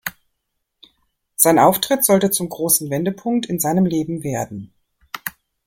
Sein Auftritt sollte zum großen Wendepunkt in seinem Leben werden.